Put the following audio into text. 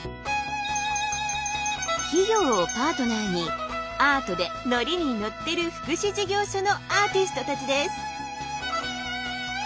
企業をパートナーにアートでノリに乗ってる福祉事業所のアーティストたちです。